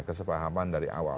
kesepahaman dari awal